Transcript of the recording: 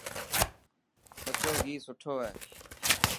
سچو گهي سٺو هي.